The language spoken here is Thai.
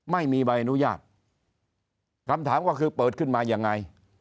ไม่มีใบอนุญาตคำถามก็คือเปิดขึ้นมายังไง